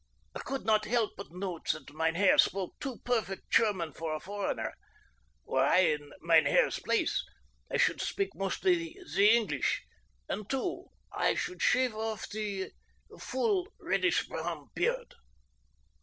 I could not help but note that mein Herr spoke too perfect German for a foreigner. Were I in mein Herr's place, I should speak mostly the English, and, too, I should shave off the 'full, reddish brown beard.